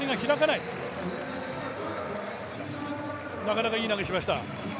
なかなかいい投げをしました。